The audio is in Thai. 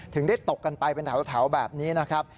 ถึงได้ตกกันไปเป็นแถวแบบนี้นะครับ